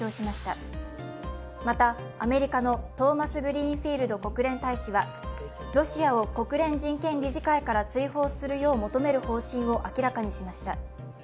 また、アメリカのトーマスグリーンフィールド国連大使は、ロシアを国連人権理事会から追放するよう求める方針を明らかにしました。